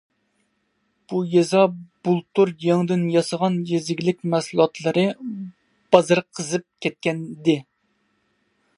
بۇ يېزا بۇلتۇر يېڭىدىن ياسىغان يېزا ئىگىلىك مەھسۇلاتلىرى بازىرى قىزىپ كەتكەنىدى.